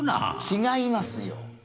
違いますよ。